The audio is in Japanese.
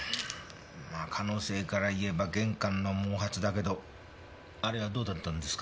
まぁ可能性からいえば玄関の毛髪だけどあれはどうだったんですか？